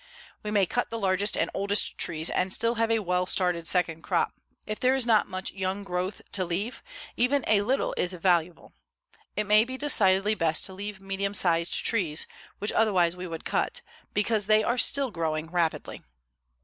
We may cut the largest and oldest trees and still have a well started second crop. If there is not much young growth to leave, even a little is valuable. It may be decidedly best to leave medium sized trees, which otherwise we would cut, because they are still growing rapidly.